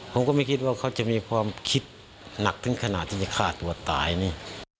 ผมก็ไม่คิดว่าเขาจะมีความคิดหนักถึงขนาดที่จะฆ่าตัวตายนี่